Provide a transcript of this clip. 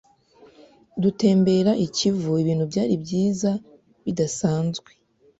dutembera ikivu ibintu byari byiza bidasanzwe.